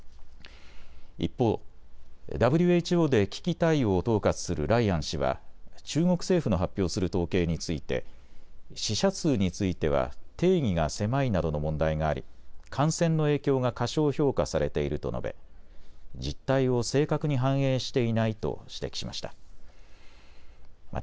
一方、ＷＨＯで危機対応を統括するライアン氏は中国政府の発表する統計について死者数については定義が狭いなどの問題があり、感染の影響が過小評価されていると述べ実態を正確に反映していないと指摘しました。